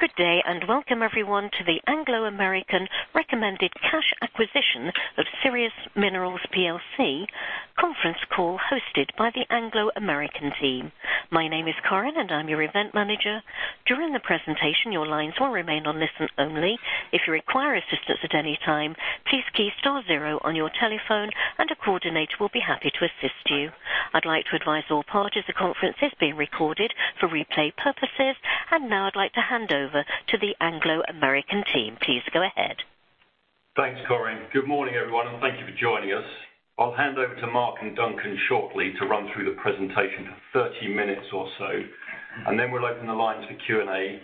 Good day, and welcome, everyone, to the Anglo American recommended cash acquisition of Sirius Minerals PLC conference call hosted by the Anglo American team. My name is Corin, and I'm your event manager. During the presentation, your lines will remain on listen only. If you require assistance at any time, please key star zero on your telephone and a coordinator will be happy to assist you. I'd like to advise all parties, the conference is being recorded for replay purposes. Now I'd like to hand over to the Anglo American team. Please go ahead. Thanks, Corin. Good morning, everyone, and thank you for joining us. I'll hand over to Mark and Duncan shortly to run through the presentation for 30 minutes or so. Then we'll open the lines for Q&A.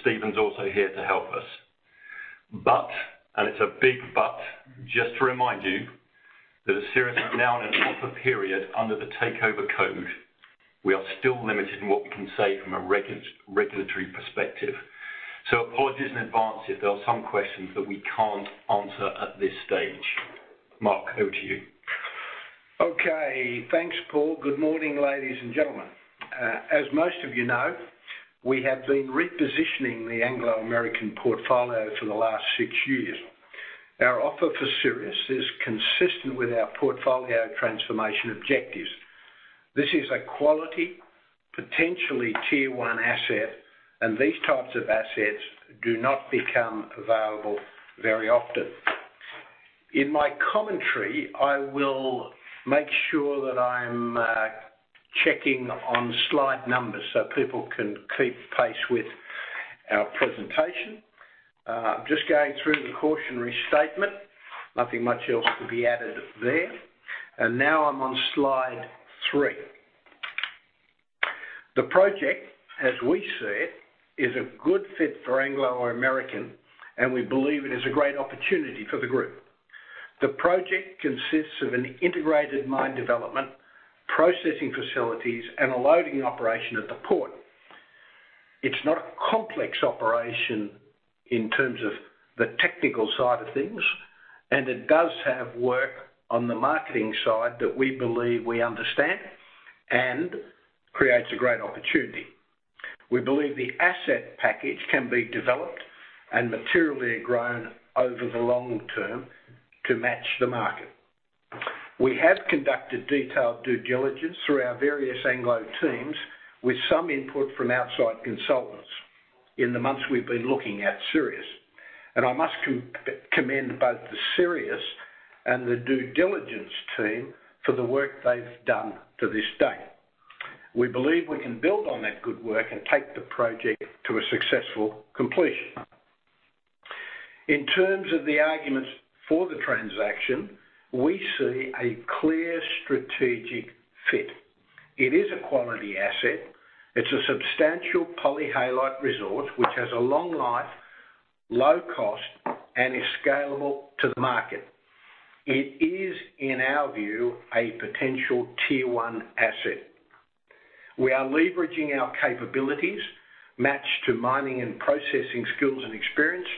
Stephen's also here to help us. It's a big but, just to remind you that as Sirius is now in an offer period under the Takeover Code, we are still limited in what we can say from a regulatory perspective. Apologies in advance if there are some questions that we can't answer at this stage. Mark, over to you. Okay. Thanks, Paul. Good morning, ladies and gentlemen. As most of you know, we have been repositioning the Anglo American portfolio for the last six years. Our offer for Sirius is consistent with our portfolio transformation objectives. This is a quality, potentially tier 1 asset. These types of assets do not become available very often. In my commentary, I will make sure that I'm checking on slide numbers so people can keep pace with our presentation. I'm just going through the cautionary statement. Nothing much else can be added there. Now I'm on slide three. The project, as we see it, is a good fit for Anglo American, and we believe it is a great opportunity for the group. The project consists of an integrated mine development, processing facilities, and a loading operation at the port. It's not a complex operation in terms of the technical side of things, and it does have work on the marketing side that we believe we understand and creates a great opportunity. We believe the asset package can be developed and materially grown over the long term to match the market. We have conducted detailed due diligence through our various Anglo teams with some input from outside consultants in the months we've been looking at Sirius, and I must commend both the Sirius and the due diligence team for the work they've done to this date. We believe we can build on that good work and take the project to a successful completion. In terms of the arguments for the transaction, we see a clear strategic fit. It is a quality asset. It's a substantial polyhalite resource which has a long life, low cost, and is scalable to the market. It is, in our view, a potential tier 1 asset. We are leveraging our capabilities, matched to mining and processing skills and experience,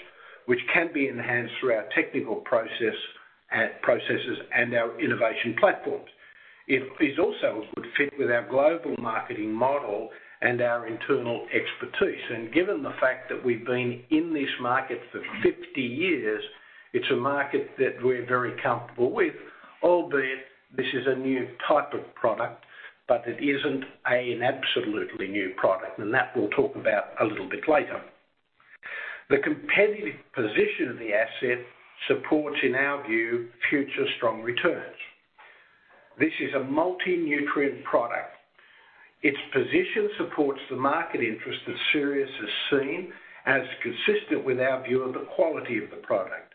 which can be enhanced through our technical processes and our innovation platforms. It is also a good fit with our global marketing model and our internal expertise. Given the fact that we've been in this market for 50 years, it's a market that we're very comfortable with, albeit this is a new type of product, but it isn't an absolutely new product, and that we'll talk about a little bit later. The competitive position of the asset supports, in our view, future strong returns. This is a multi-nutrient product. Its position supports the market interest that Sirius has seen and is consistent with our view of the quality of the product.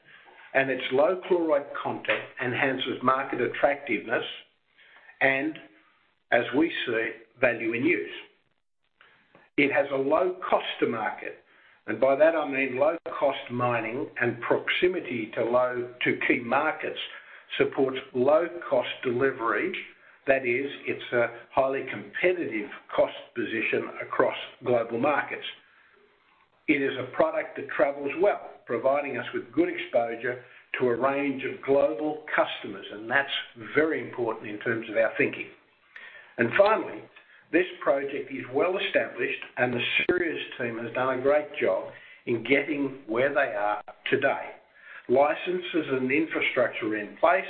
Its low chloride content enhances market attractiveness and, as we see, value in use. It has a low cost to market, and by that I mean low cost mining and proximity to key markets supports low cost delivery. That is, it's a highly competitive cost position across global markets. It is a product that travels well, providing us with good exposure to a range of global customers, and that's very important in terms of our thinking. Finally, this project is well-established, and the Sirius team has done a great job in getting where they are today. Licenses and infrastructure are in place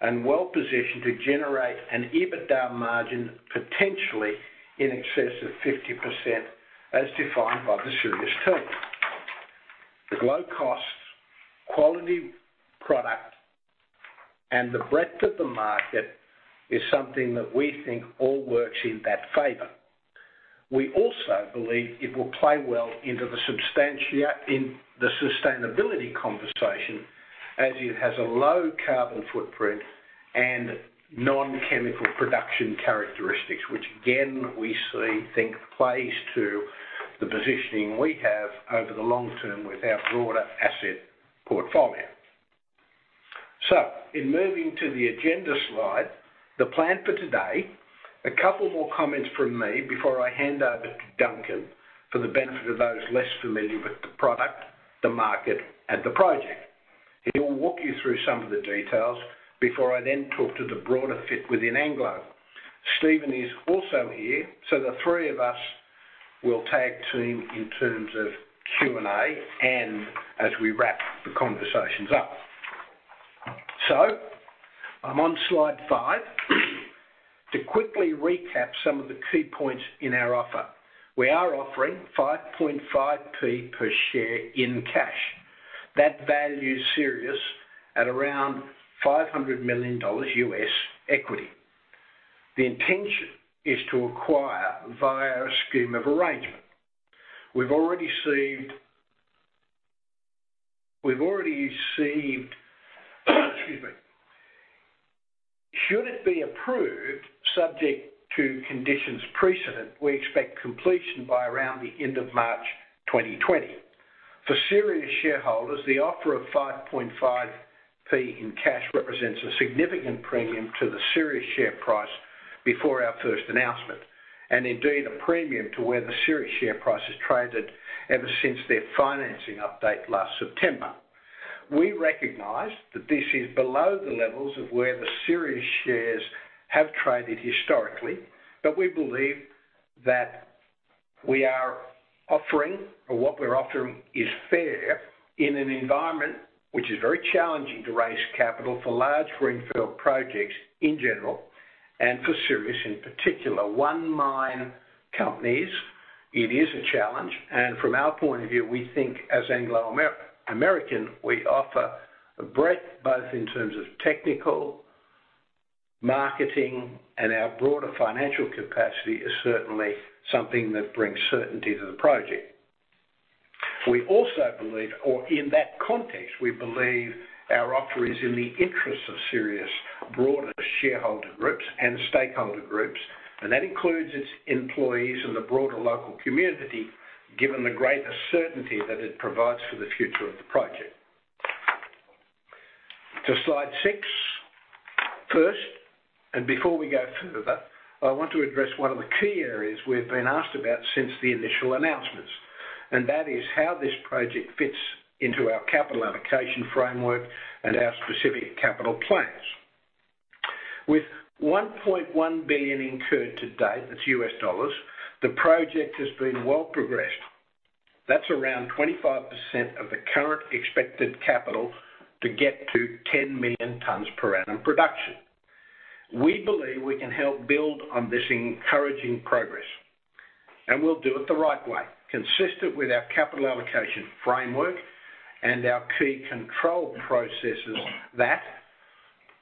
and well-positioned to generate an EBITDA margin, potentially in excess of 50%, as defined by the Sirius team. The low costs, quality product, and the breadth of the market is something that we think all works in that favor. We also believe it will play well into the sustainability conversation as it has a low carbon footprint and non-chemical production characteristics, which again, we see, think plays to the positioning we have over the long term with our broader asset portfolio. In moving to the agenda slide, the plan for today, a couple more comments from me before I hand over to Duncan for the benefit of those less familiar with the product, the market, and the project. I'll walk you through some of the details before I then talk to the broader fit within Anglo. Stephen is also here, so the three of us will tag team in terms of Q&A and as we wrap the conversations up. I'm on slide five. To quickly recap some of the key points in our offer. We are offering 0.055 per share in cash. That values Sirius at around $500 million US equity. The intention is to acquire via a scheme of arrangement. Should it be approved, subject to conditions precedent, we expect completion by around the end of March 2020. For Sirius shareholders, the offer of 5.5p in cash represents a significant premium to the Sirius share price before our first announcement, and indeed, a premium to where the Sirius share price has traded ever since their financing update last September. We recognize that this is below the levels of where the Sirius shares have traded historically. We believe that we are offering, or what we're offering is fair in an environment which is very challenging to raise capital for large greenfield projects in general, and for Sirius in particular. One mine companies, it is a challenge. From our point of view, we think as Anglo American, we offer a breadth both in terms of technical, marketing, and our broader financial capacity is certainly something that brings certainty to the project. In that context, we believe our offer is in the interest of Sirius broader shareholder groups and stakeholder groups. That includes its employees and the broader local community, given the greater certainty that it provides for the future of the project. To slide six. First, before we go further, I want to address one of the key areas we've been asked about since the initial announcements. That is how this project fits into our capital allocation framework and our specific capital plans. With $1.1 billion incurred to date, that's U.S. dollars, the project has been well progressed. That's around 25% of the current expected capital to get to 10 million tons per annum production. We believe we can help build on this encouraging progress, and we'll do it the right way, consistent with our capital allocation framework and our key control processes that,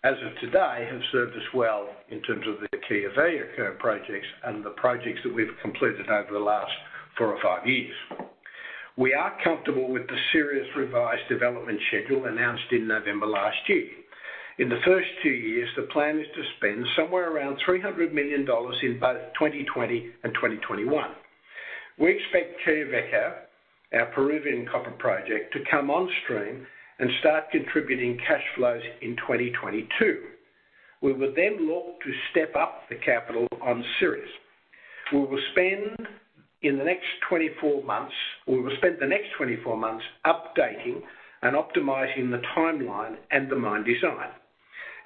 as of today, have served us well in terms of the Quellaveco projects and the projects that we've completed over the last four or five years. We are comfortable with the Sirius revised development schedule announced in November last year. In the first two years, the plan is to spend somewhere around $300 million in both 2020 and 2021. We expect Quellaveco, our Peruvian copper project, to come on stream and start contributing cash flows in 2022. We would look to step up the capital on Sirius. We will spend the next 24 months updating and optimizing the timeline and the mine design.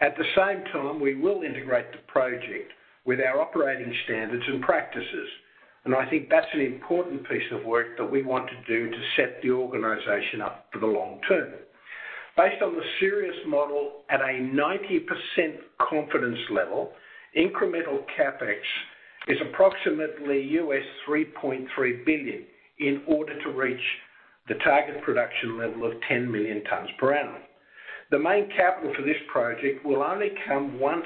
At the same time, we will integrate the project with our operating standards and practices, and I think that's an important piece of work that we want to do to set the organization up for the long term. Based on the Sirius model at a 90% confidence level, incremental CapEx is approximately $3.3 billion in order to reach the target production level of 10 million tons per annum. The main capital for this project will only come once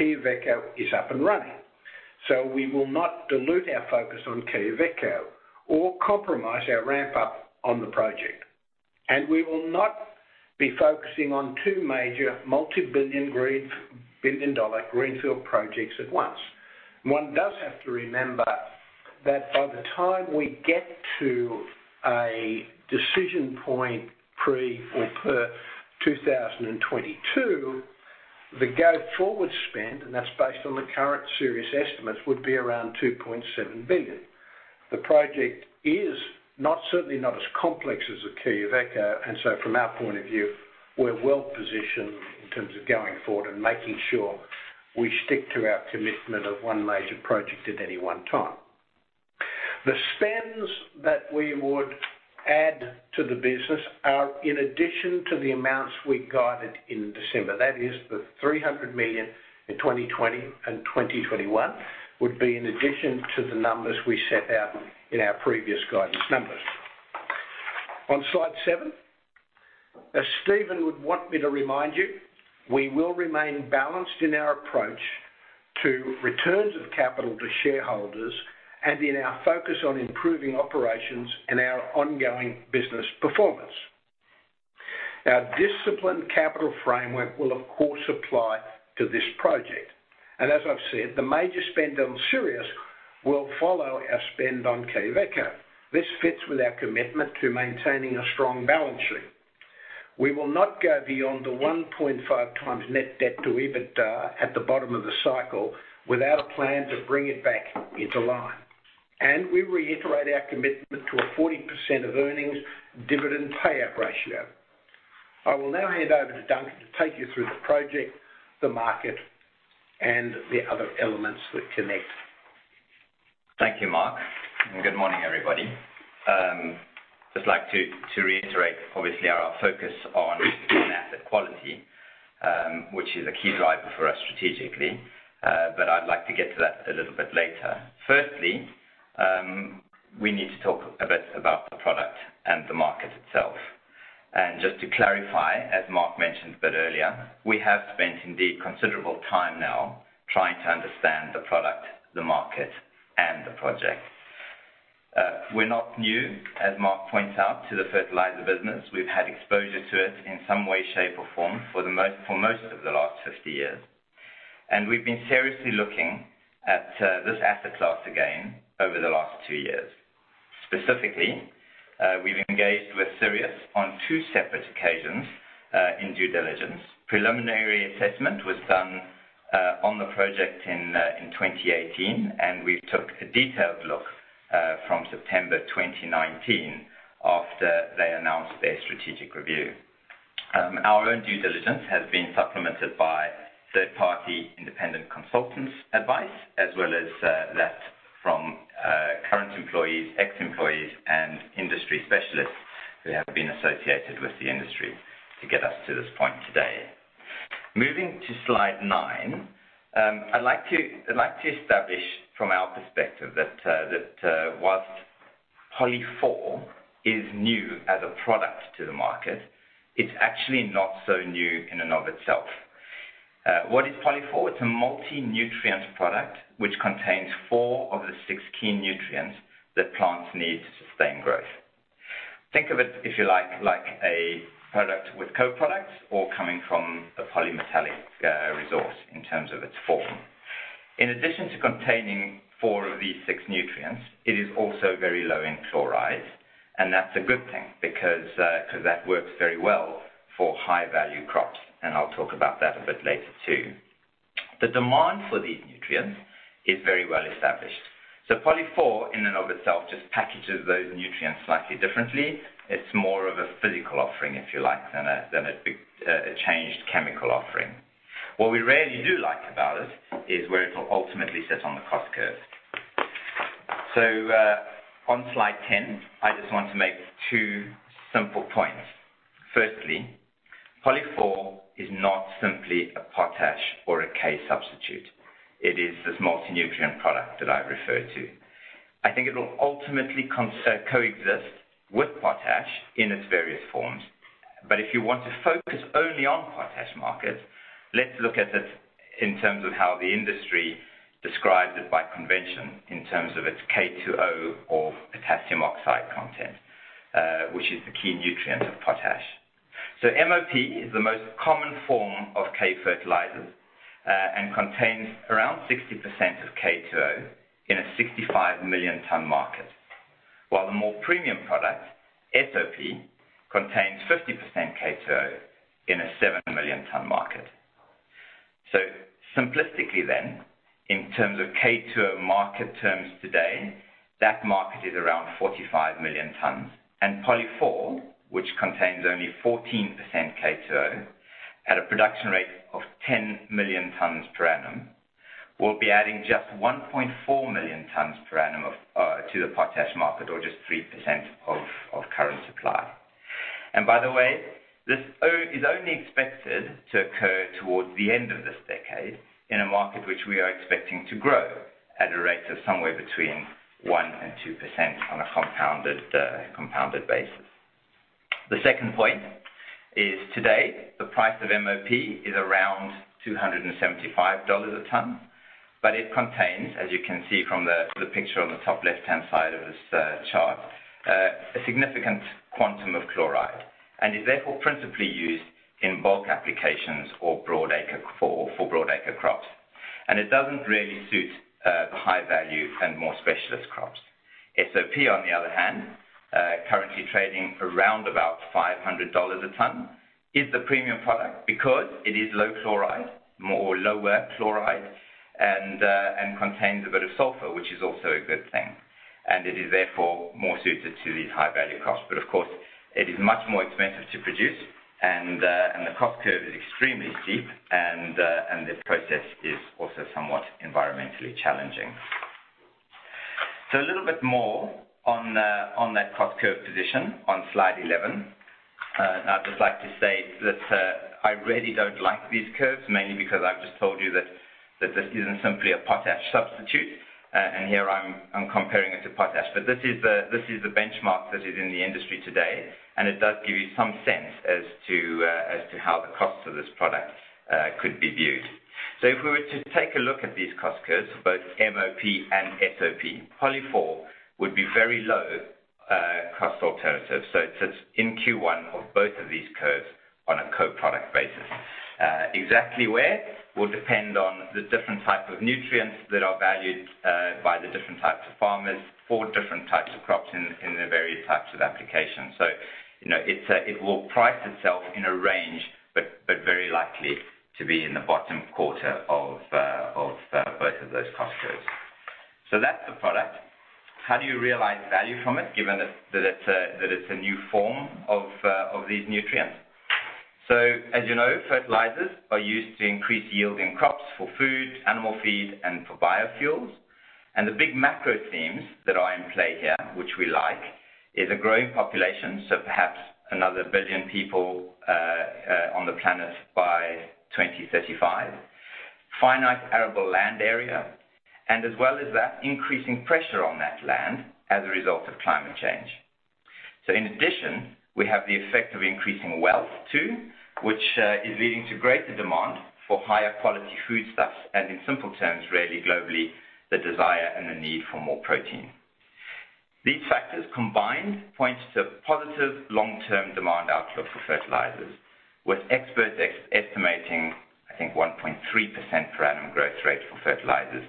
Quellaveco is up and running. We will not dilute our focus on Quellaveco or compromise our ramp-up on the project. We will not be focusing on two major multi-billion greenfield dollar greenfield projects at once. One does have to remember that by the time we get to a decision point pre or per 2022, the go-forward spend, and that's based on the current Sirius estimates, would be around 2.7 billion. The project is certainly not as complex as the Quellaveco, and so from our point of view, we're well-positioned in terms of going forward and making sure we stick to our commitment of one major project at any one time. The spends that we would add to the business are in addition to the amounts we guided in December. That is, the 300 million in 2020 and 2021 would be in addition to the numbers we set out in our previous guidance numbers. On slide seven. As Stephen would want me to remind you, we will remain balanced in our approach to returns of capital to shareholders and in our focus on improving operations and our ongoing business performance. Our disciplined capital framework will, of course, apply to this project. As I've said, the major spend on Sirius will follow our spend on Quellaveco. This fits with our commitment to maintaining a strong balance sheet. We will not go beyond the 1.5 times net debt to EBITDA at the bottom of the cycle without a plan to bring it back into line. We reiterate our commitment to a 40% of earnings dividend payout ratio. I will now hand over to Duncan to take you through the project, the market, and the other elements that connect. Thank you, Mark. Good morning, everybody. Just like to reiterate, obviously, our focus on asset quality, which is a key driver for us strategically, but I'd like to get to that a little bit later. Firstly, we need to talk a bit about the product and the market itself. Just to clarify, as Mark mentioned a bit earlier, we have spent indeed considerable time now trying to understand the product, the market, and the project. We're not new, as Mark points out, to the fertilizer business. We've had exposure to it in some way, shape, or form for most of the last 50 years. We've been seriously looking at this asset class again over the last two years. Specifically, we've engaged with Sirius on two separate occasions in due diligence. Preliminary assessment was done on the project in 2018, and we took a detailed look from September 2019 after they announced their strategic review. Our own due diligence has been supplemented by third-party independent consultants' advice, as well as that from current employees, ex-employees, and industry specialists who have been associated with the industry to get us to this point today. Moving to slide nine, I'd like to establish from our perspective that whilst POLY4 is new as a product to the market, it's actually not so new in and of itself. What is POLY4? It's a multi-nutrient product, which contains four of the six key nutrients that plants need to sustain growth. Think of it, if you like a product with co-products or coming from a polymetallic resource in terms of its form. In addition to containing four of these six nutrients, it is also very low in chloride. That's a good thing because that works very well for high-value crops. I'll talk about that a bit later, too. The demand for these nutrients is very well established. POLY4, in and of itself, just packages those nutrients slightly differently. It's more of a physical offering, if you like, than a changed chemical offering. What we really do like about it is where it'll ultimately sit on the cost curve. On slide 10, I just want to make two simple points. Firstly, POLY4 is not simply a potash or a K substitute. It is this multi-nutrient product that I referred to. I think it'll ultimately coexist with potash in its various forms. If you want to focus only on potash markets, let's look at it in terms of how the industry describes it by convention in terms of its K2O or potassium oxide content, which is the key nutrient of potash. MOP is the most common form of K fertilizer and contains around 60% of K2O in a 65 million ton market, while the more premium product, SOP, contains 50% K2O in a 7 million ton market. Simplistically then, in terms of K2O market terms today, that market is around 45 million tons, and POLY4, which contains only 14% K2O at a production rate of 10 million tons per annum, will be adding just 1.4 million tons per annum to the potash market or just 3% of current supply. By the way, this is only expected to occur towards the end of this decade in a market which we are expecting to grow at a rate of somewhere between 1% and 2% on a compounded basis. The second point is today, the price of MOP is around $275 a ton, but it contains, as you can see from the picture on the top left-hand side of this chart, a significant quantum of chloride and is therefore principally used in bulk applications or for broad acre crops. It doesn't really suit the high-value and more specialist crops. SOP, on the other hand, currently trading around about $500 a ton, is the premium product because it is low chloride, more lower chloride, and contains a bit of sulfur, which is also a good thing. It is therefore more suited to these high-value crops. Of course, it is much more expensive to produce, and the cost curve is extremely steep, and the process is also somewhat environmentally challenging. A little bit more on that cost curve position on slide 11. I'd just like to say that I really don't like these curves, mainly because I've just told you that this isn't simply a potash substitute, and here I'm comparing it to potash. This is the benchmark that is in the industry today, and it does give you some sense as to how the cost of this product could be viewed. If we were to take a look at these cost curves, both MOP and SOP, POLY4 would be very low cost alternative. It sits in Q1 of both of these curves on a co-product basis. Exactly where will depend on the different type of nutrients that are valued by the different types of farmers for different types of crops in the various types of applications. It will price itself in a range, but very likely to be in the bottom quarter of both of those cost curves. That's the product. How do you realize value from it, given that it's a new form of these nutrients? As you know, fertilizers are used to increase yield in crops for food, animal feed, and for biofuels. The big macro themes that are in play here, which we like, is a growing population, so perhaps another billion people on the planet by 2035, finite arable land area, and as well as that, increasing pressure on that land as a result of climate change. In addition, we have the effect of increasing wealth too, which is leading to greater demand for higher quality foodstuffs, and in simple terms, really globally, the desire and the need for more protein. These factors combined point to positive long-term demand outlook for fertilizers, with experts estimating, I think, 1.3% per annum growth rate for fertilizers,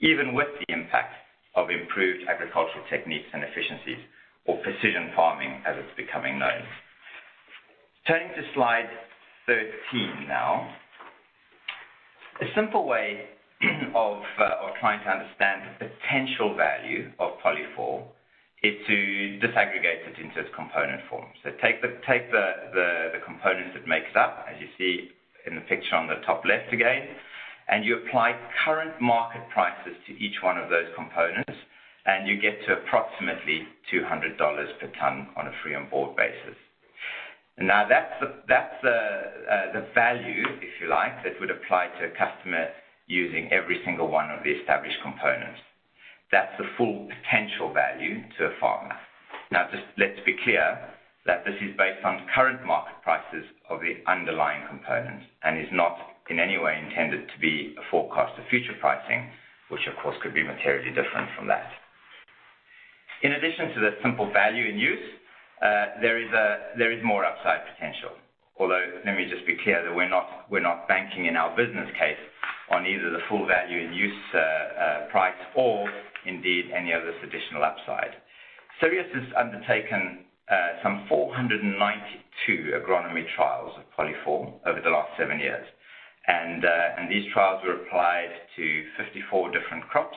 even with the impact of improved agricultural techniques and efficiencies or precision farming as it's becoming known. Turning to Slide 13 now. A simple way of trying to understand the potential value of POLY4 is to disaggregate it into its component forms. Take the components that make it up, as you see in the picture on the top left again, and you apply current market prices to each one of those components, and you get to approximately GBP 200 per ton on a free on board basis. That's the value, if you like, that would apply to a customer using every single one of the established components. That's the full potential value to a farmer. Just let's be clear that this is based on current market prices of the underlying components and is not in any way intended to be a forecast of future pricing, which, of course, could be materially different from that. In addition to the simple value in use, there is more upside potential. Let me just be clear that we're not banking in our business case on either the full value in use price or indeed any of this additional upside. Sirius has undertaken some 492 agronomy trials of POLY4 over the last seven years. These trials were applied to 54 different crops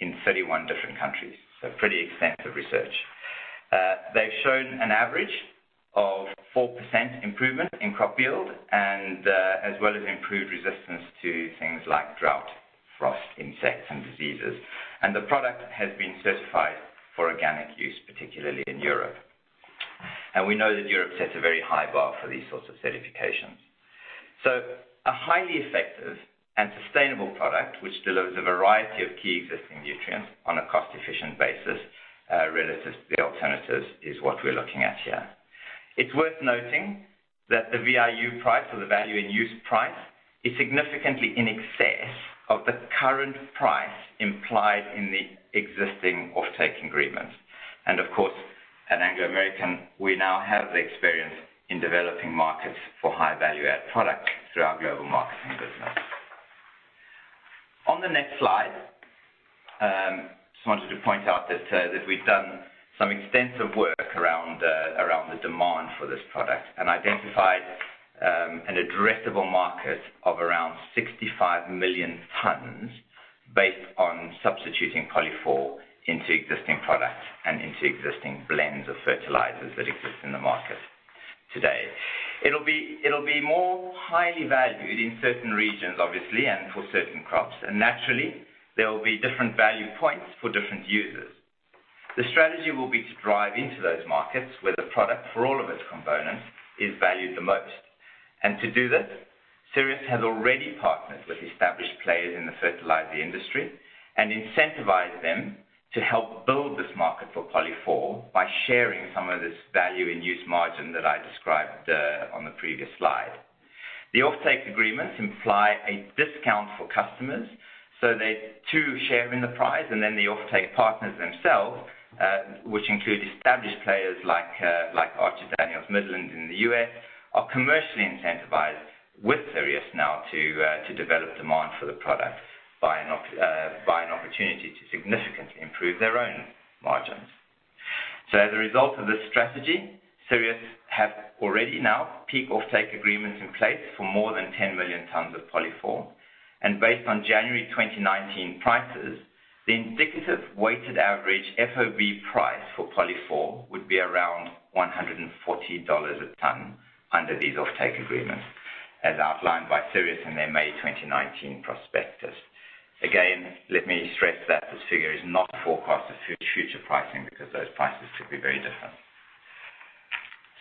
in 31 different countries, pretty extensive research. They've shown an average of 4% improvement in crop yield as well as improved resistance to things like drought, frost, insects, and diseases. The product has been certified for organic use, particularly in Europe. We know that Europe sets a very high bar for these sorts of certifications. A highly effective and sustainable product which delivers a variety of key existing nutrients on a cost-efficient basis, relative to the alternatives, is what we're looking at here. It's worth noting that the VIU price or the value in use price is significantly in excess of the current price implied in the existing offtake agreement. Of course, at Anglo American, we now have the experience in developing markets for high-value add product through our global marketing business. On the next slide, just wanted to point out that we've done some extensive work around the demand for this product and identified an addressable market of around 65 million tons based on substituting POLY4 into existing products and into existing blends of fertilizers that exist in the market today. It'll be more highly valued in certain regions, obviously, and for certain crops, and naturally, there will be different value points for different users. The strategy will be to drive into those markets where the product for all of its components is valued the most. To do this, Sirius has already partnered with established players in the fertilizer industry and incentivized them to help build this market for POLY4 by sharing some of this value in use margin that I described on the previous slide. The offtake agreements imply a discount for customers, so they too share in the prize, and then the offtake partners themselves, which include established players like Archer-Daniels-Midland in the U.S., are commercially incentivized with Sirius now to develop demand for the product by an opportunity to significantly improve their own margins. As a result of this strategy, Sirius have already now peak offtake agreements in place for more than 10 million tons of POLY4. Based on January 2019 prices, the indicative weighted average FOB price for POLY4 would be around $140 a ton under these offtake agreements, as outlined by Sirius in their May 2019 prospectus. Again, let me stress that this figure is not a forecast of future pricing because those prices could be very different.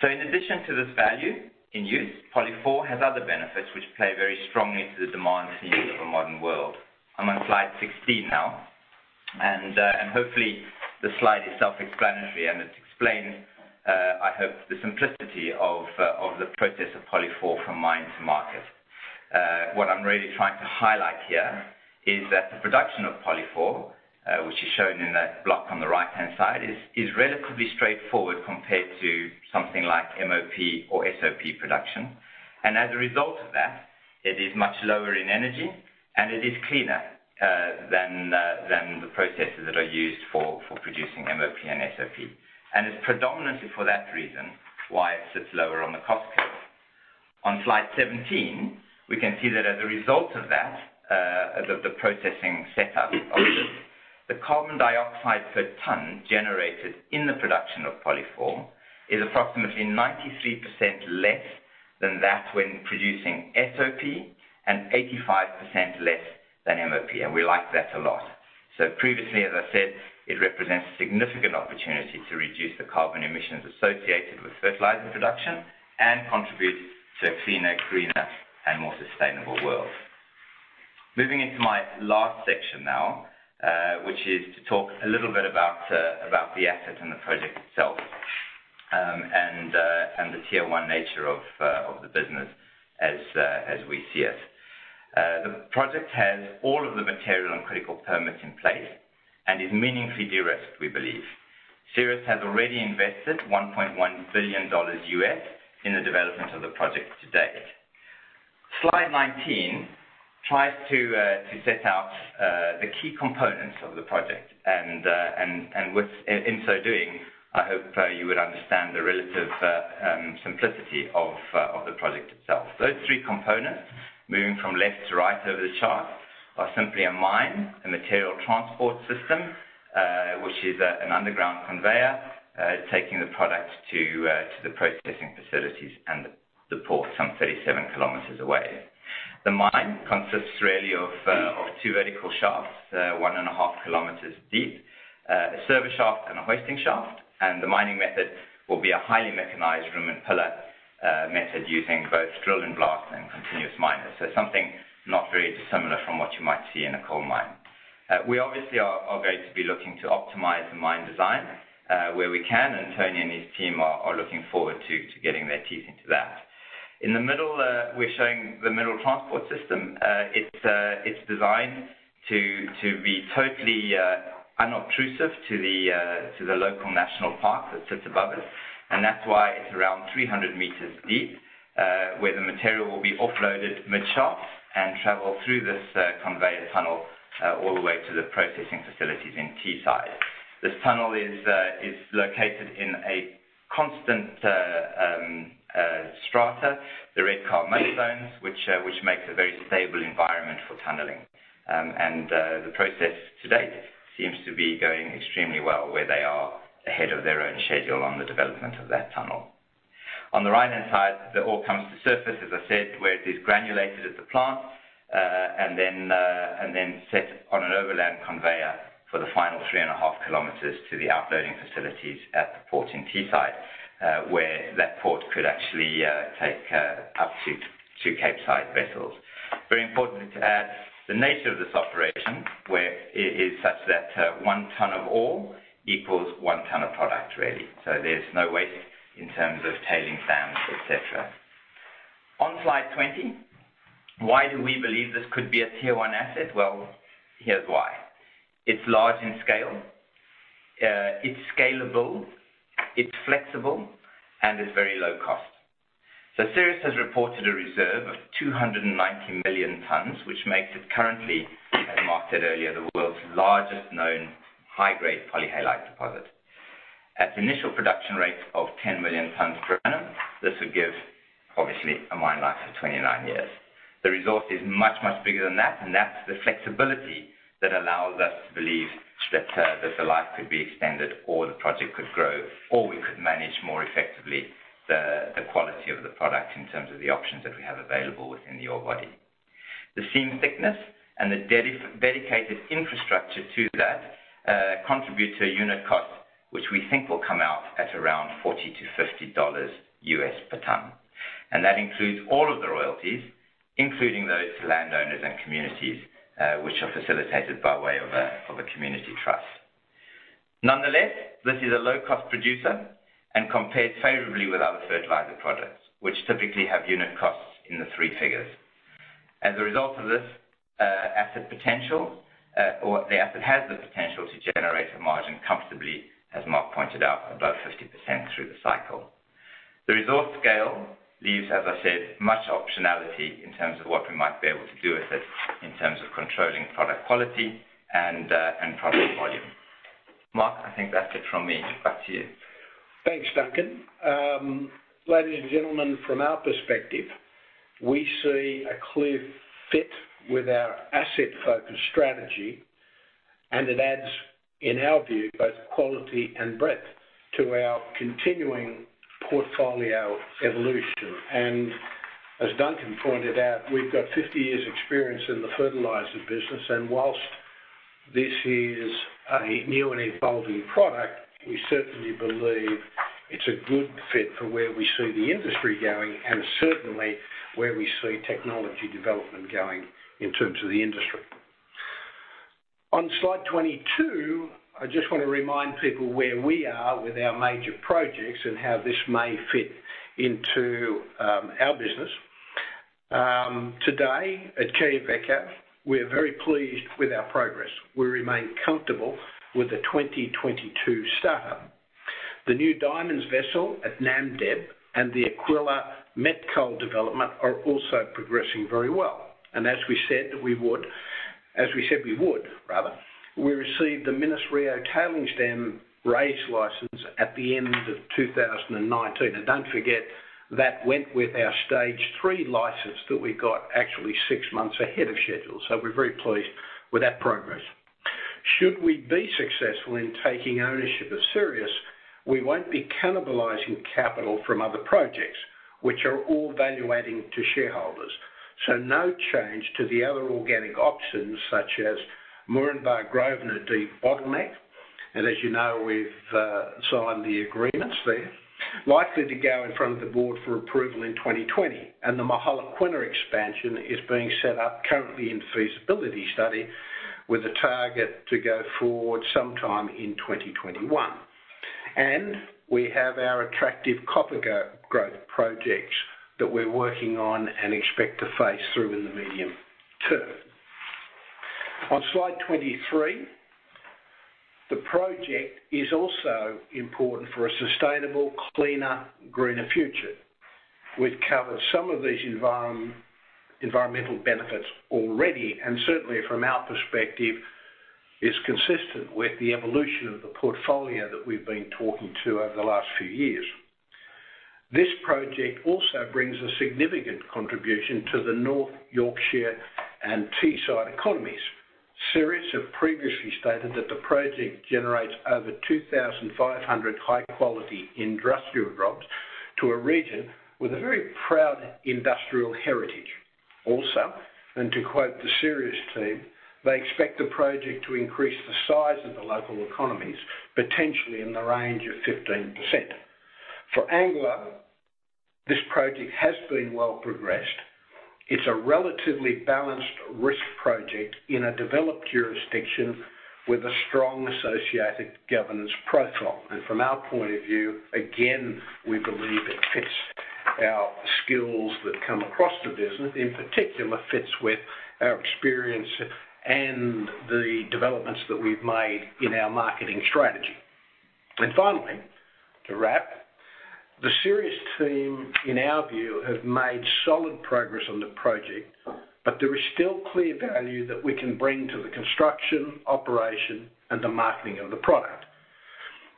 In addition to this value in use, POLY4 has other benefits which play very strongly to the demand themes of a modern world. I'm on slide 16 now, hopefully this slide is self-explanatory and it explains, I hope, the simplicity of the process of POLY4 from mine to market. What I'm really trying to highlight here is that the production of POLY4, which is shown in that block on the right-hand side, is relatively straightforward compared to something like MOP or SOP production. As a result of that, it is much lower in energy, and it is cleaner than the processes that are used for producing MOP and SOP. It's predominantly for that reason why it sits lower on the cost curve. On slide 17, we can see that as a result of that, of the processing setup of this, the carbon dioxide per ton generated in the production of POLY4 is approximately 93% less than that when producing SOP and 85% less than MOP, and we like that a lot. Previously, as I said, it represents a significant opportunity to reduce the carbon emissions associated with fertilizer production and contribute to a cleaner, greener, and more sustainable world. Moving into my last section now, which is to talk a little bit about the asset and the project itself and the tier one nature of the business as we see it. The project has all of the material and critical permits in place and is meaningfully de-risked, we believe. Sirius has already invested $1.1 billion in the development of the project to date. Slide 19 tries to set out the key components of the project. In so doing, I hope you would understand the relative simplicity of the project itself. Those three components, moving from left to right over the chart, are simply a mine, a material transport system, which is an underground conveyor taking the product to the processing facilities and the port some 37 km away. The mine consists really of two vertical shafts, one and a half km deep, a service shaft and a hoisting shaft. The mining method will be a highly mechanized room and pillar method using both drill and blast and continuous miners. Something not very dissimilar from what you might see in a coal mine. We obviously are going to be looking to optimize the mine design where we can, and Tony and his team are looking forward to getting their teeth into that. In the middle, we're showing the mineral transport system. It's designed to be totally unobtrusive to the local national park that sits above it, and that's why it's around 300 meters deep, where the material will be offloaded mid-shaft and travel through this conveyor tunnel all the way to the processing facilities in Teesside. This tunnel is located in a constant strata, the Redcar Mudstone, which makes a very stable environment for tunneling. The process to date seems to be going extremely well, where they are ahead of their own schedule on the development of that tunnel. On the right-hand side, the ore comes to surface, as I said, where it is granulated at the plant, and then set on an overland conveyor for the final three and a half kilometers to the offloading facilities at the port in Teesside, where that port could actually take up to two Capesize vessels. Very important to add, the nature of this operation where it is such that one ton of ore equals one ton of product, really. There's no waste in terms of tailing sands, et cetera. On slide 20, why do we believe this could be a tier 1 asset? Well, here's why. It's large in scale. It's scalable, it's flexible, and it's very low cost. Sirius has reported a reserve of 290 million tons, which makes it currently, as Mark said earlier, the world's largest known high-grade polyhalite deposit. At initial production rates of 10 million tons per annum, this would give, obviously, a mine life of 29 years. The resource is much, much bigger than that. That's the flexibility that allows us to believe that the life could be extended or the project could grow, or we could manage more effectively the quality of the product in terms of the options that we have available within the ore body. The seam thickness and the dedicated infrastructure to that contribute to a unit cost, which we think will come out at around $40-$50 U.S. per ton. That includes all of the royalties, including those landowners and communities, which are facilitated by way of a community trust. Nonetheless, this is a low-cost producer and compares favorably with other fertilizer projects, which typically have unit costs in the three figures. As a result of this asset potential, or the asset has the potential to generate a margin comfortably, as Mark pointed out, above 50% through the cycle. The resource scale leaves, as I said, much optionality in terms of what we might be able to do with it in terms of controlling product quality and product volume. Mark, I think that's it from me. Back to you. Thanks, Duncan. Ladies and gentlemen, from our perspective, we see a clear fit with our asset-focused strategy. It adds, in our view, both quality and breadth to our continuing portfolio evolution. As Duncan pointed out, we've got 50 years' experience in the fertilizer business. And whilst this is a new and evolving product, we certainly believe it's a good fit for where we see the industry going and certainly where we see technology development going in terms of the industry. On slide 22, I just want to remind people where we are with our major projects and how this may fit into our business. Today at Quellaveco, we're very pleased with our progress. We remain comfortable with the 2022 startup. The new Diamonds vessel at Namdeb and the Aquila Met Coal development are also progressing very well. As we said we would, rather, we received the Minas Rio Tailings Dam raise license at the end of 2019. Don't forget, that went with our stage 3 license that we got actually six months ahead of schedule. We're very pleased with that progress. Should we be successful in taking ownership of Sirius, we won't be cannibalizing capital from other projects, which are all value-adding to shareholders. No change to the other organic options such as Moranbah and Grosvenor Aquila de-bottleneck. As you know, we've signed the agreements there. Likely to go in front of the board for approval in 2020. The Mogalakwena expansion is being set up currently in feasibility study with a target to go forward sometime in 2021. We have our attractive copper growth projects that we're working on and expect to phase through in the medium term. On slide 23, the project is also important for a sustainable, cleaner, greener future. We've covered some of these environmental benefits already, and certainly from our perspective, is consistent with the evolution of the portfolio that we've been talking to over the last few years. This project also brings a significant contribution to the North Yorkshire and Teesside economies. Sirius have previously stated that the project generates over 2,500 high-quality industrial jobs to a region with a very proud industrial heritage. Also, and to quote the Sirius team, they expect the project to increase the size of the local economies, potentially in the range of 15%. For Anglo, this project has been well progressed. It's a relatively balanced risk project in a developed jurisdiction with a strong associated governance profile. From our point of view, again, we believe it fits our skills that come across the business, in particular, fits with our experience and the developments that we've made in our marketing strategy. Finally, to wrap, the Sirius team, in our view, have made solid progress on the project. There is still clear value that we can bring to the construction, operation, and the marketing of the product.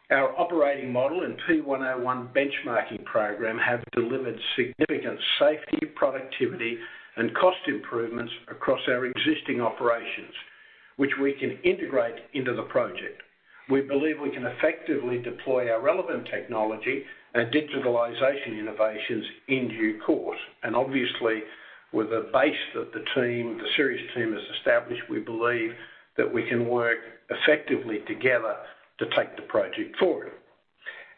Our operating model and P101 benchmarking program have delivered significant safety, productivity, and cost improvements across our existing operations, which we can integrate into the project. We believe we can effectively deploy our relevant technology and digitalization innovations in due course. Obviously, with the base that the team, the Sirius team, has established, we believe that we can work effectively together to take the project forward.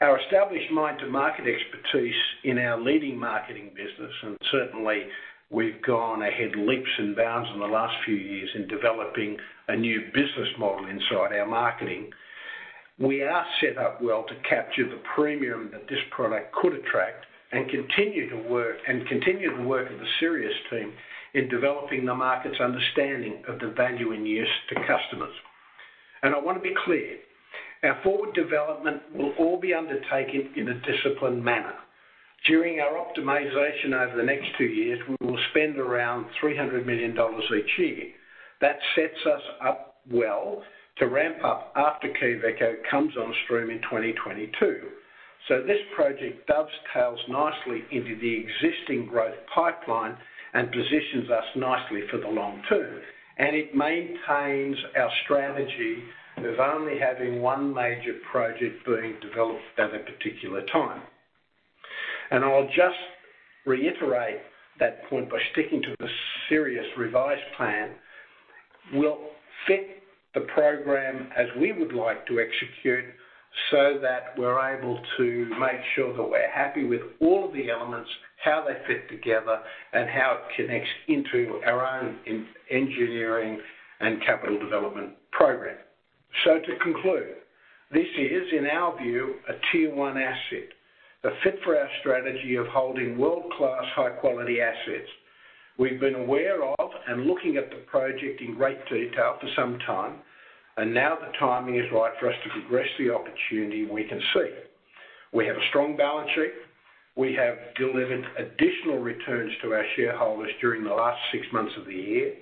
Our established mine-to-market expertise in our leading marketing business, certainly we've gone ahead leaps and bounds in the last few years in developing a new business model inside our marketing. We are set up well to capture the premium that this product could attract and continue to work with the Sirius team in developing the market's understanding of the value it use to customers. I want to be clear, our forward development will all be undertaken in a disciplined manner. During our optimization over the next two years, we will spend around GBP 300 million each year. That sets us up well to ramp up after Quellaveco comes on stream in 2022. This project dovetails nicely into the existing growth pipeline and positions us nicely for the long term. It maintains our strategy of only having one major project being developed at a particular time. I'll just reiterate that point by sticking to the Sirius revised plan will fit the program as we would like to execute so that we're able to make sure that we're happy with all of the elements, how they fit together, and how it connects into our own engineering and capital development program. To conclude, this is, in our view, a tier one asset, a fit for our strategy of holding world-class, high-quality assets. We've been aware of and looking at the project in great detail for some time, and now the timing is right for us to progress the opportunity we can see. We have a strong balance sheet. We have delivered additional returns to our shareholders during the last six months of the year.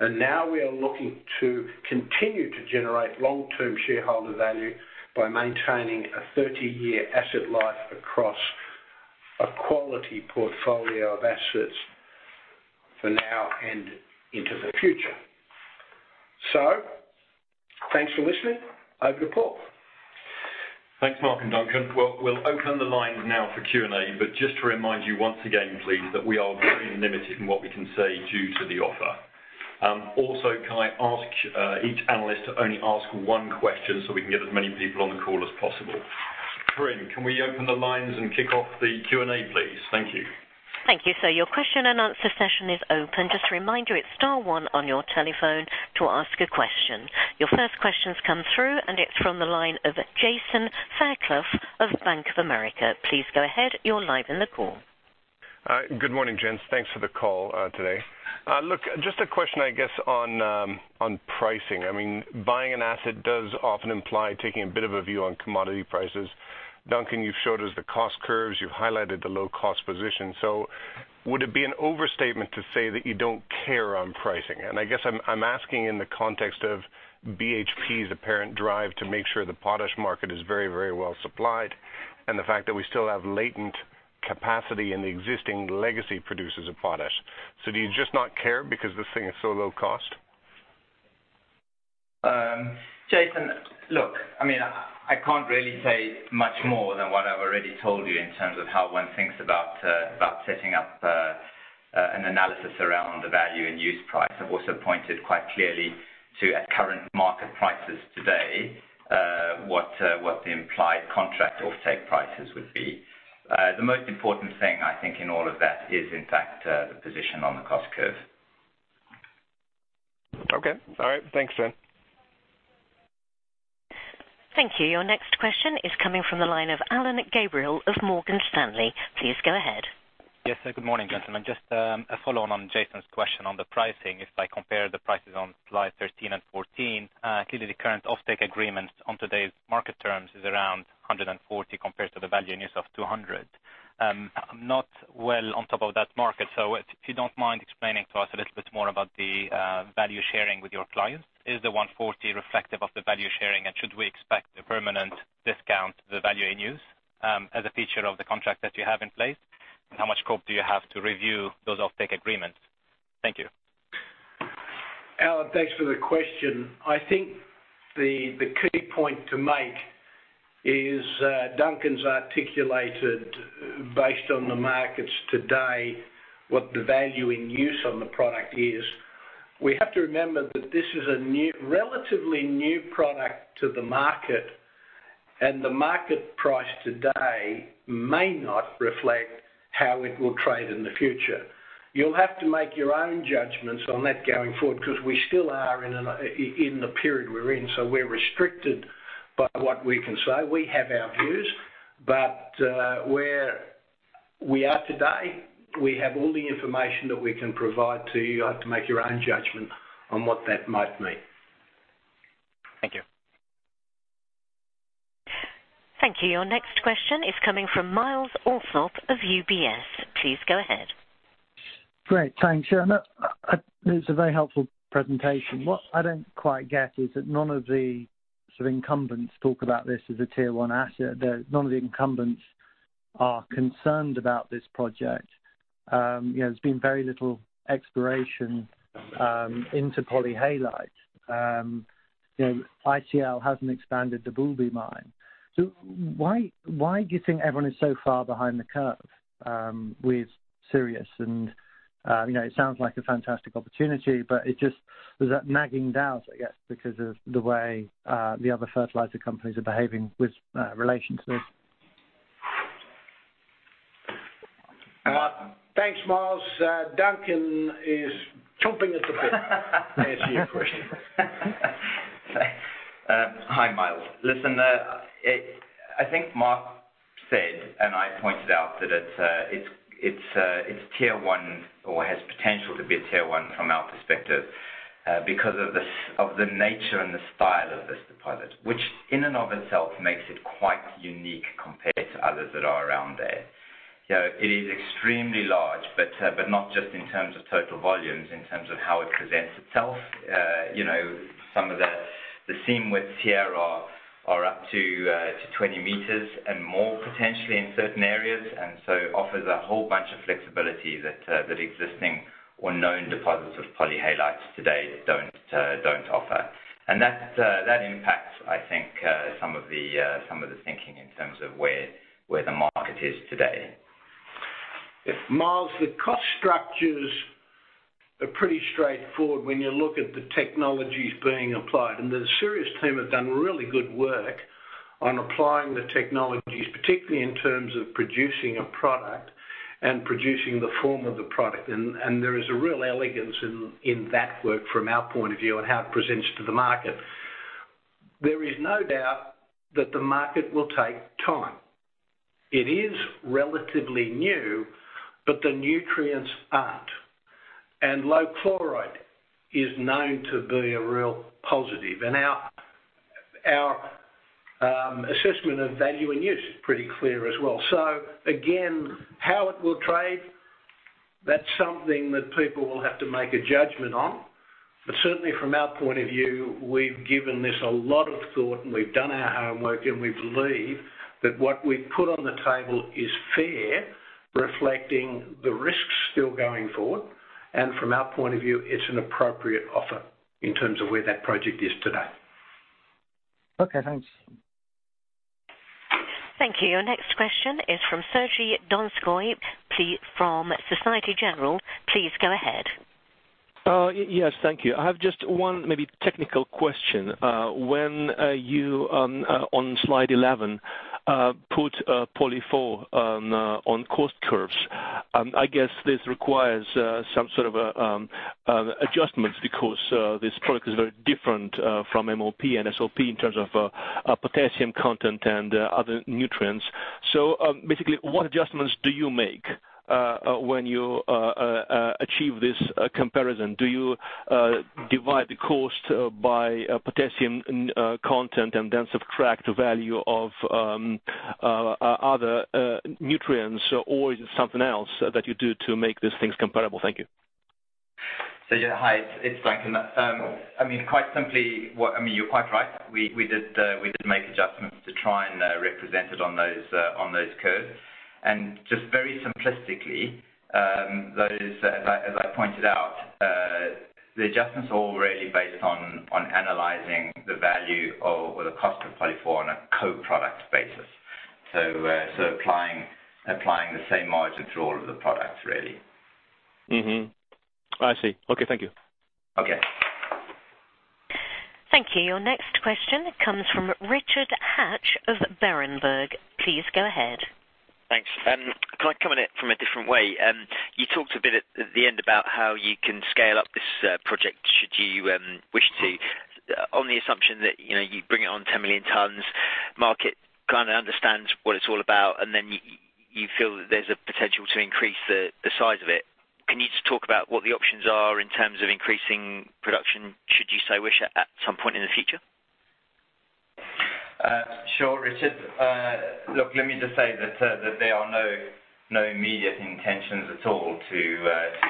Now we are looking to continue to generate long-term shareholder value by maintaining a 30-year asset life across a quality portfolio of assets for now and into the future. Thanks for listening. Over to Paul. Thanks, Mark and Duncan. We'll open the lines now for Q&A, just to remind you once again, please, that we are very limited in what we can say due to the offer. Can I ask each analyst to only ask one question so we can get as many people on the call as possible? Corin, can we open the lines and kick off the Q&A, please? Thank you. Thank you, sir. Your question and answer session is open. Just a reminder, it's star one on your telephone to ask a question. Your first question's come through, and it's from the line of Jason Fairclough of Bank of America. Please go ahead. You're live in the call. Good morning, gents. Thanks for the call today. Look, just a question, I guess, on pricing. Buying an asset does often imply taking a bit of a view on commodity prices. Duncan, you've showed us the cost curves, you've highlighted the low-cost position. Would it be an overstatement to say that you don't care on pricing? I guess I'm asking in the context of BHP's apparent drive to make sure the potash market is very well supplied and the fact that we still have latent capacity in the existing legacy producers of potash. Do you just not care because this thing is so low cost? Jason, look, I can't really say much more than what I've already told you in terms of how one thinks about setting up an analysis around the value in use price. I've also pointed quite clearly to at current market prices today what the implied contract offtake prices would be. The most important thing I think in all of that is in fact the position on the cost curve. Okay. All right. Thanks, Duncan. Thank you. Your next question is coming from the line of Alain Gabriel of Morgan Stanley. Please go ahead. Yes, sir. Good morning, gentlemen. Just a follow on Jason's question on the pricing. If I compare the prices on slide 13 and 14, clearly the current offtake agreement on today's market terms is around $140 compared to the value in use of $200. Not well on top of that market. If you don't mind explaining to us a little bit more about the value sharing with your clients? Is the $140 reflective of the value sharing? Should we expect a permanent discount to the value in use as a feature of the contract that you have in place? How much scope do you have to review those offtake agreements? Thank you. Alain, thanks for the question. I think the key point to make is Duncan's articulated based on the markets today, what the value in use on the product is. We have to remember that this is a relatively new product to the market, and the market price today may not reflect how it will trade in the future. You'll have to make your own judgments on that going forward because we still are in the period we're in, so we're restricted by what we can say. We have our views, but where we are today, we have all the information that we can provide to you. You have to make your own judgment on what that might mean. Thank you. Thank you. Your next question is coming from Myles Allsop of UBS. Please go ahead. Great. Thanks. It's a very helpful presentation. What I don't quite get is that none of the sort of incumbents talk about this as a tier 1 asset there. None of the incumbents are concerned about this project. There's been very little exploration into polyhalite. ICL hasn't expanded the Boulby Mine. Why do you think everyone is so far behind the curve with Sirius? It sounds like a fantastic opportunity, but it just, there's that nagging doubt, I guess because of the way the other fertilizer companies are behaving with relation to this. Thanks, Myles. Duncan is chomping at the bit to answer your question. Hi, Myles. Listen, I think Mark said, and I pointed out that it's tier one or has potential to be a tier one from our perspective because of the nature and the style of this deposit which in and of itself makes it quite unique compared to others that are around there. It is extremely large, but not just in terms of total volumes, in terms of how it presents itself. Some of the seam widths here are up to 20 meters and more potentially in certain areas. Offers a whole bunch of flexibility that existing or known deposits of polyhalites today don't offer. That impacts, I think, some of the thinking in terms of where the market is today. Yes. Myles, the cost structures are pretty straightforward when you look at the technologies being applied, and the Sirius team have done really good work on applying the technologies, particularly in terms of producing a product and producing the form of the product. There is a real elegance in that work from our point of view and how it presents to the market. There is no doubt that the market will take time. It is relatively new, but the nutrients aren't. Low chloride is known to be a real positive. Our assessment of value and use is pretty clear as well. Again, how it will trade, that's something that people will have to make a judgment on. Certainly from our point of view, we've given this a lot of thought and we've done our homework, and we believe that what we've put on the table is fair, reflecting the risks still going forward. From our point of view, it's an appropriate offer in terms of where that project is today. Okay, thanks. Thank you. Your next question is from Sergey Donskoy, from Société Générale. Please go ahead. Yes, thank you. I have just one maybe technical question. When you on slide 11 put POLY4 on cost curves, I guess this requires some sort of adjustments because this product is very different from MOP and SOP in terms of potassium content and other nutrients. Basically, what adjustments do you make when you achieve this comparison? Do you divide the cost by potassium content and then subtract the value of other nutrients, or is it something else that you do to make these things comparable? Thank you. Yeah. Hi, it's Duncan. Quite simply, you're quite right. We did make adjustments to try and represent it on those curves. Just very simplistically, those as I pointed out, the adjustments are really based on analyzing the value or the cost of POLY4 on a co-product basis. Applying the same margin through all of the products, really. I see. Okay, thank you. Okay. Thank you. Your next question comes from Richard Hatch of Berenberg. Please go ahead. Thanks. Can I come in it from a different way? You talked a bit at the end about how you can scale up this project, should you wish to. On the assumption that you bring it on 10 million tons, market kind of understands what it's all about, and then you feel that there's a potential to increase the size of it. Can you just talk about what the options are in terms of increasing production should you so wish at some point in the future? Sure, Richard. Look, let me just say that there are no immediate intentions at all to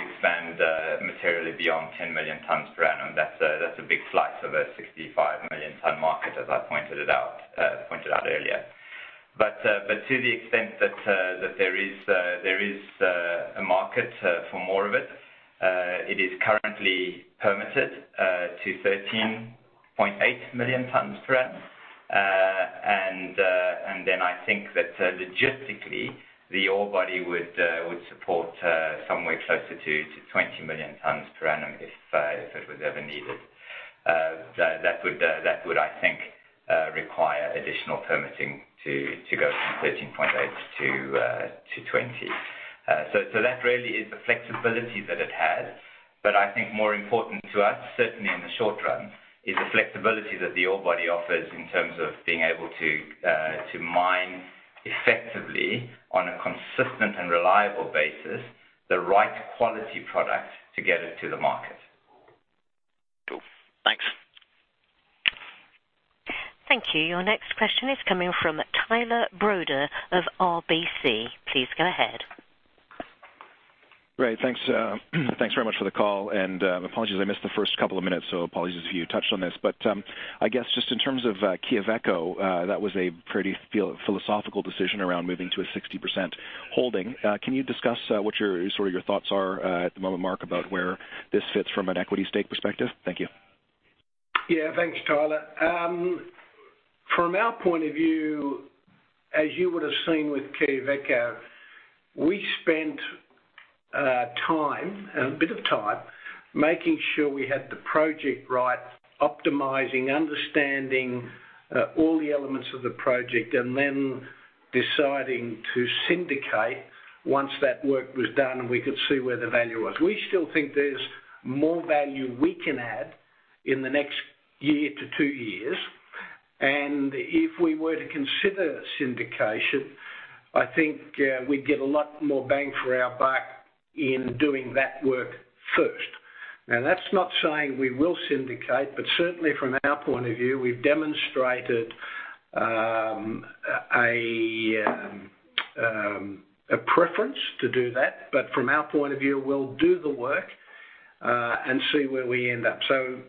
expand materially beyond 10 million tons per annum. That's a big slice of a 65 million ton market, as I pointed out earlier. To the extent that there is a market for more of it is currently permitted to 13.8 million tons per annum. I think that logistically, the ore body would support somewhere closer to 20 million tons per annum if it was ever needed. That would, I think, require additional permitting to go from 13.8 to 20. That really is the flexibility that it has. I think more important to us, certainly in the short run, is the flexibility that the ore body offers in terms of being able to mine effectively on a consistent and reliable basis, the right quality product to get it to the market. Cool. Thanks. Thank you. Your next question is coming from Tyler Broda of RBC. Please go ahead. Great. Thanks very much for the call, apologies I missed the first couple of minutes, so apologies if you touched on this. I guess just in terms of Quellaveco, that was a pretty philosophical decision around moving to a 60% holding. Can you discuss what your thoughts are at the moment, Mark, about where this fits from an equity stake perspective? Thank you. Thanks, Tyler. From our point of view, as you would've seen with Quellaveco, we spent a bit of time making sure we had the project right, optimizing, understanding all the elements of the project, deciding to syndicate once that work was done and we could see where the value was. We still think there's more value we can add in the next year to two years. If we were to consider syndication, I think we'd get a lot more bang for our buck in doing that work first. That's not saying we will syndicate, certainly from our point of view, we've demonstrated a preference to do that. From our point of view, we'll do the work, see where we end up.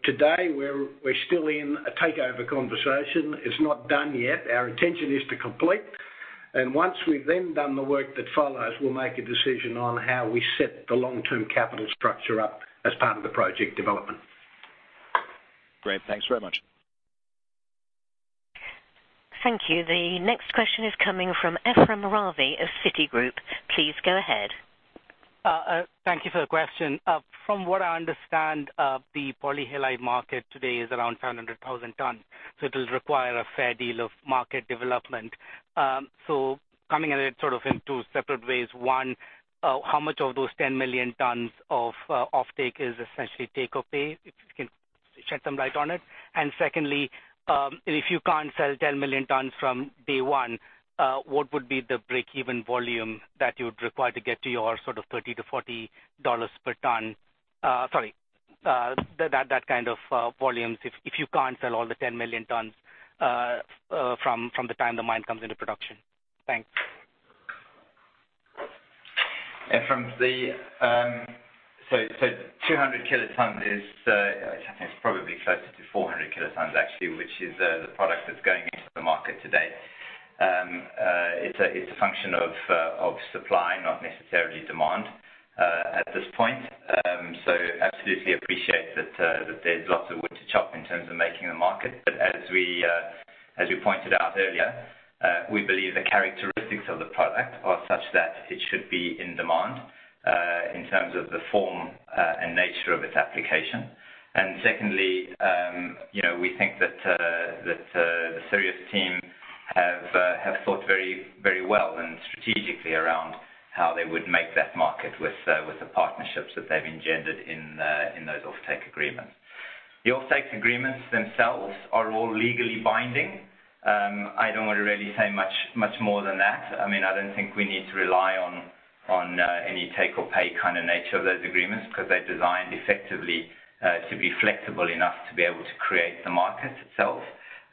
Today, we're still in a takeover conversation. It's not done yet. Our intention is to complete, and once we've then done the work that follows, we'll make a decision on how we set the long-term capital structure up as part of the project development. Great. Thanks very much. Thank you. The next question is coming from Ephrem Ravi of Citigroup. Please go ahead. Thank you for the question. From what I understand, the polyhalite market today is around 700,000 tons, it'll require a fair deal of market development. Coming at it sort of in two separate ways. One, how much of those 10 million tons of offtake is essentially take or pay? If you can shed some light on it. Secondly, if you can't sell 10 million tons from day one, what would be the break-even volume that you would require to get to your sort of $30 to $40 per ton, sorry, that kind of volumes if you can't sell all the 10 million tons from the time the mine comes into production? Thanks. Ephrem, 200 kilotons is, I think it's probably closer to 400 kilotons actually, which is the product that's going into the market today. It's a function of supply, not necessarily demand at this point. Absolutely appreciate that there's lots of wood to chop in terms of making the market. As we pointed out earlier, we believe the characteristics of the product are such that it should be in demand in terms of the form and nature of its application. Secondly, we think that the Sirius team have thought very well and strategically around how they would make that market with the partnerships that they've engendered in those offtake agreements. The offtake agreements themselves are all legally binding. I don't want to really say much more than that. I don't think we need to rely on any take or pay kind of nature of those agreements, because they're designed effectively to be flexible enough to be able to create the market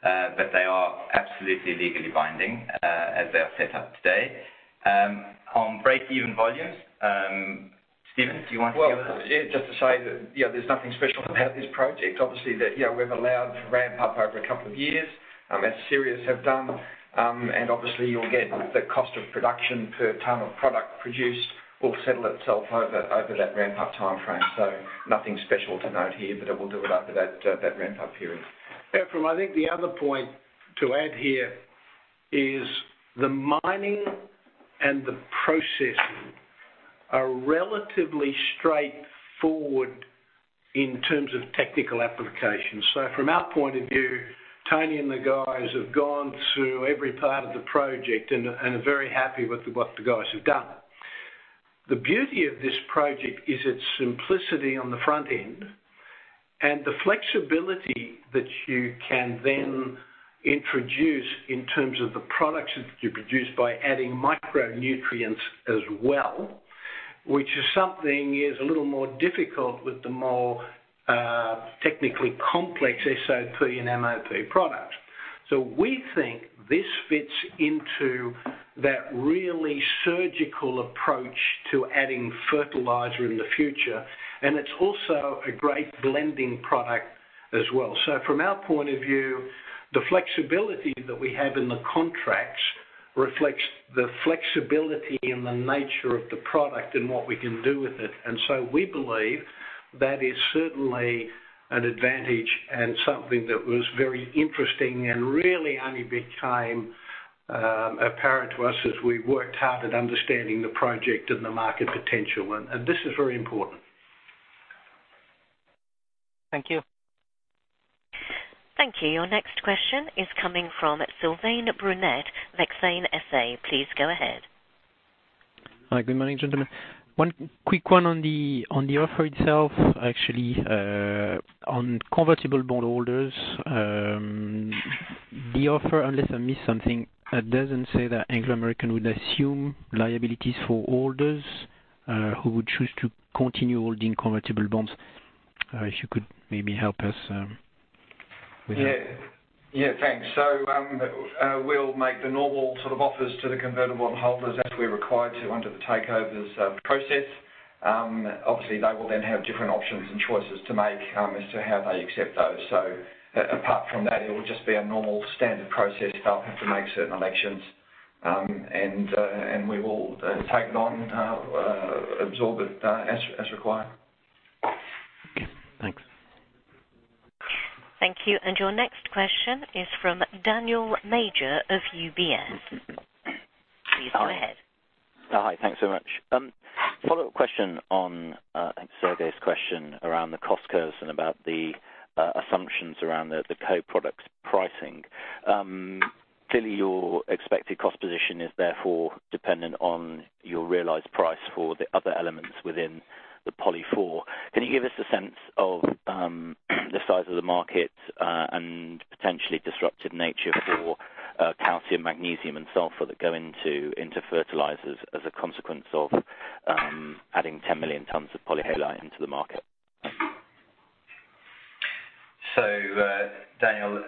itself. They are absolutely legally binding as they are set up today. On break-even volumes, Stephen, do you want to give us? Yeah, just to say that there's nothing special about this project. Obviously, that we've allowed for ramp-up over a couple of years, as Sirius have done. Obviously you'll get the cost of production per ton of product produced will settle itself over that ramp-up timeframe. Nothing special to note here, but it will do it after that ramp-up period. Ephrem, I think the other point to add here is the mining and the processing are relatively straightforward in terms of technical applications. From our point of view, Tony and the guys have gone through every part of the project and are very happy with what the guys have done. The beauty of this project is its simplicity on the front end and the flexibility that you can then introduce in terms of the products that you produce by adding micronutrients as well, which is something is a little more difficult with the more technically complex SOP and MOP product. We think this fits into that really surgical approach to adding fertilizer in the future, and it's also a great blending product as well. From our point of view, the flexibility that we have in the contracts reflects the flexibility in the nature of the product and what we can do with it. We believe that is certainly an advantage and something that was very interesting and really only became apparent to us as we worked hard at understanding the project and the market potential. This is very important. Thank you. Thank you. Your next question is coming from Sylvain Brunet, Exane SA. Please go ahead. Hi. Good morning, gentlemen. One quick one on the offer itself. Actually, on convertible bondholders. The offer, unless I missed something, it doesn't say that Anglo American would assume liabilities for holders who would choose to continue holding convertible bonds. If you could maybe help us with that. Yeah. Thanks. We'll make the normal sort of offers to the convertible holders as we're required to under the takeovers process. Obviously, they will then have different options and choices to make as to how they accept those. Apart from that, it will just be a normal standard process. They'll have to make certain elections. We will take it on, absorb it as required. Okay. Thanks. Thank you. Your next question is from Daniel Major of UBS. Please go ahead. Hi. Thanks so much. Follow-up question on, I think Sergey's question around the cost curves and about the assumptions around the co-products pricing. Clearly your expected cost position is therefore dependent on your realized price for the other elements within the POLY4. Can you give us a sense of the size of the market, and potentially disruptive nature for calcium, magnesium, and sulfur that go into fertilizers as a consequence of adding 10 million tons of polyhalite into the market? Daniel,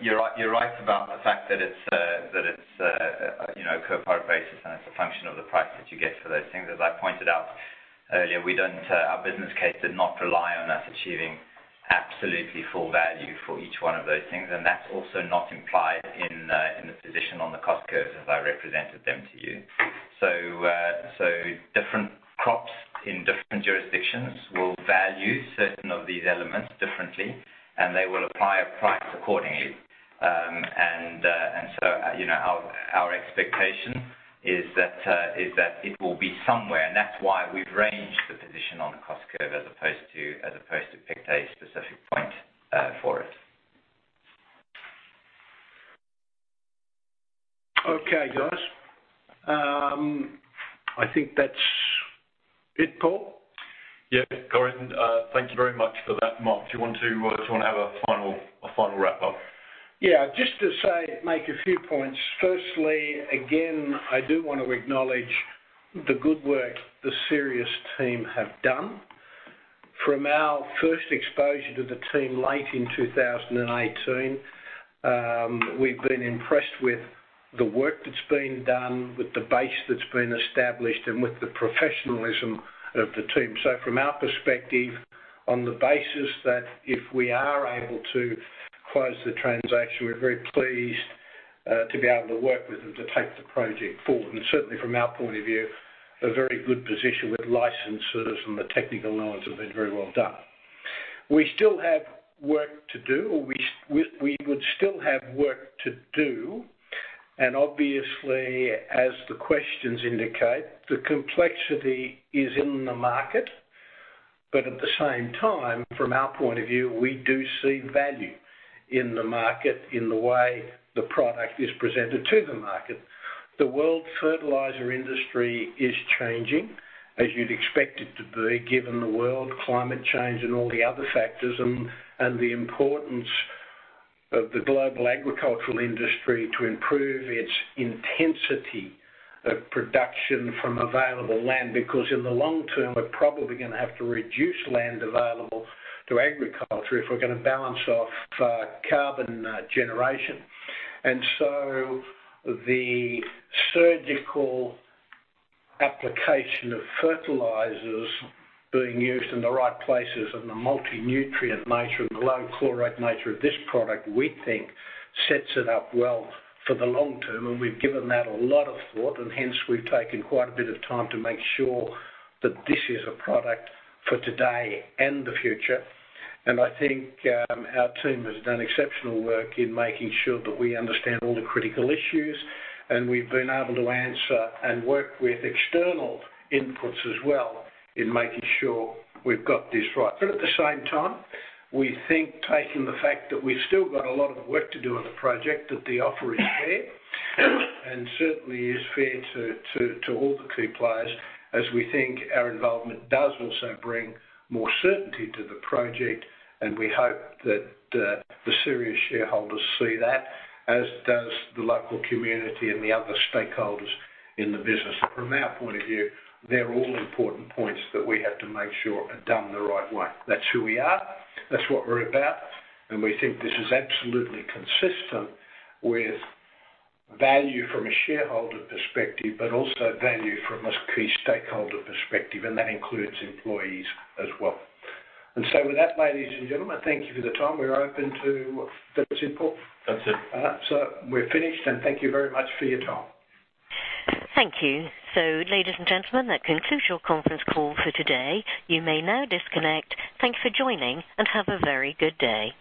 you're right about the fact that it's co-product basis and it's a function of the price that you get for those things. As I pointed out earlier, our business case did not rely on us achieving absolutely full value for each one of those things, and that's also not implied in the position on the cost curves as I represented them to you. Different crops in different jurisdictions will value certain of these elements differently, and they will apply a price accordingly. Our expectation is that it will be somewhere, and that's why we've ranged the position on the cost curve as opposed to picked a specific point for it. Okay, guys. I think that's it, Paul. Yeah. Go ahead. Thank you very much for that, Mark. Do you want to have a final wrap-up? Yeah, just to make a few points. Firstly, again, I do want to acknowledge the good work the Sirius team have done. From our first exposure to the team late in 2018, we've been impressed with the work that's been done, with the base that's been established, and with the professionalism of the team. From our perspective, on the basis that if we are able to close the transaction, we're very pleased to be able to work with them to take the project forward. Certainly from our point of view, a very good position with licenses and the technical knowledge have been very well done. We still have work to do, or we would still have work to do, and obviously, as the questions indicate, the complexity is in the market, but at the same time, from our point of view, we do see value in the market in the way the product is presented to the market. The world fertilizer industry is changing, as you'd expect it to be, given the world climate change and all the other factors, and the importance of the global agricultural industry to improve its intensity of production from available land. In the long term, we're probably going to have to reduce land available to agriculture if we're going to balance off carbon generation. The surgical application of fertilizers being used in the right places and the multi-nutrient nature and the low chloride nature of this product, we think sets it up well for the long term. We've given that a lot of thought, and hence we've taken quite a bit of time to make sure that this is a product for today and the future. I think our team has done exceptional work in making sure that we understand all the critical issues, and we've been able to answer and work with external inputs as well in making sure we've got this right. At the same time, we think taking the fact that we've still got a lot of work to do on the project, that the offer is fair, and certainly is fair to all the key players, as we think our involvement does also bring more certainty to the project. We hope that the Sirius shareholders see that, as does the local community and the other stakeholders in the business. From our point of view, they're all important points that we have to make sure are done the right way. That's who we are, that's what we're about, and we think this is absolutely consistent with value from a shareholder perspective, but also value from a key stakeholder perspective, and that includes employees as well. With that, ladies and gentlemen, thank you for the time. We're open to further input. That's it. All right. We're finished, and thank you very much for your time. Thank you. Ladies and gentlemen, that concludes your conference call for today. You may now disconnect. Thank you for joining, and have a very good day.